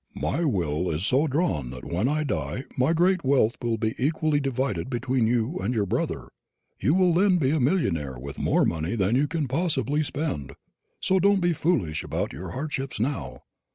My will is so drawn that when I die my great wealth will be equally divided between you and your brother. You will then be a millionaire with more money than you can possibly spend. So don't be foolish about your hardships now.